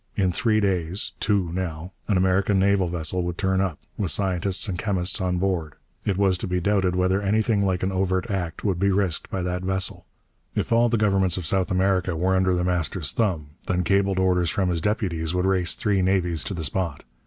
In three days two, now an American naval vessel would turn up, with scientists and chemists on board. It was to be doubted whether anything like an overt act would be risked by that vessel. If all the governments of South America were under The Master's thumb, then cabled orders from his deputies would race three navies to the spot.